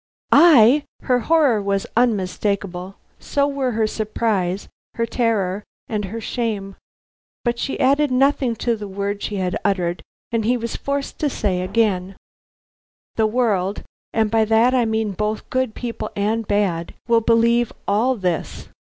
"I!" Her horror was unmistakable; so were her surprise, her terror, and her shame, but she added nothing to the word she had uttered, and he was forced to say again: "The world, and by that I mean both good people and bad, will believe all this.